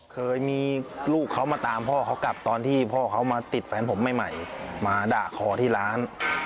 เคยมีลูกเขามาตามพ่อเขากลับตอนที่พ่อเขามาติดแฟนผมใหม่มาด่าคอที่ร้าน